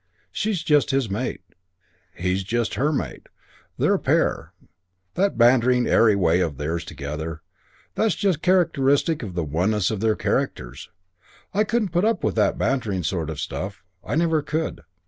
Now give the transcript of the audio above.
She's just his mate. He's just her mate. They're a pair. That bantering, airy way of theirs together. That's just characteristic of the oneness of their characters. I couldn't put up that bantering sort of stuff. I never could.